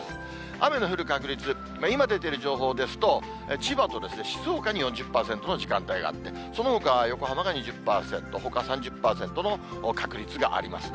雨の降る確率、今出ている情報ですと、千葉と静岡に４０％の時間帯があって、そのほかは横浜が２０％、ほか３０％の確率がありますね。